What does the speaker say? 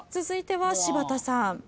続いては柴田さん。